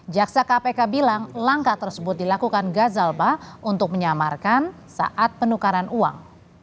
jaksa kpk bilang langkah tersebut dilakukan gazalba untuk menyamarkan saat penukaran uang